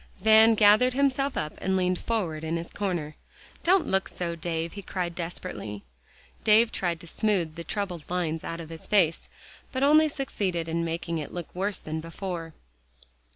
Van gathered himself up and leaned forward in his corner. "Don't look so, Dave," he cried desperately. David tried to smooth the troubled lines out of his face, but only succeeded in making it look worse than before.